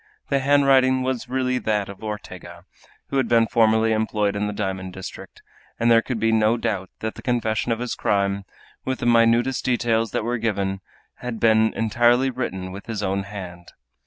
The handwriting was really that of Ortega, who had been formerly employed in the diamond district, and there could be no doubt that the confession of his crime, with the minutest details that were given, had been entirely written with his own hand.